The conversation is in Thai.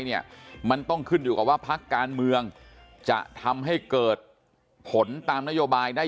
เนี่ยมันต้องขึ้นอยู่กับว่าพักการเมืองจะทำให้เกิดผลตามนโยบายได้